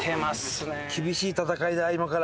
厳しい戦いだ今から。